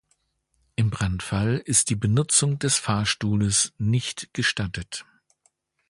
Im Brandfall ist die Benutzung des Fahrstuhles nicht gestattet.